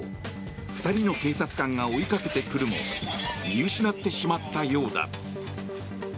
２人の警察官が追いかけてくるも見失ってしまったようだ。